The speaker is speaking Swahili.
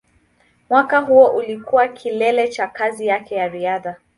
Mwaka huo ulikuwa kilele cha kazi yake ya riadha.